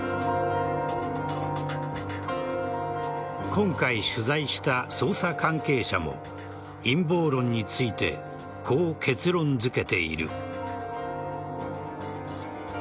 今回取材した捜査関係者も陰謀論についてこう結論付けている。